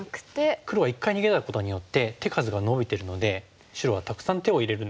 黒は一回逃げたことによって手数がのびてるので白はたくさん手を入れるんですね。